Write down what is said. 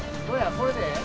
これでええ？